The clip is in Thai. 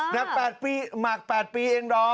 น้ำปลากี้หมากปลากปีเองด้อม